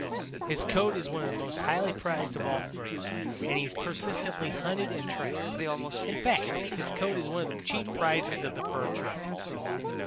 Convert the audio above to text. His coat is one of the most highly prized of all furs and he is persistently hunted and trapped. In fact, his coat is one of the chief prizes of the fur trappers.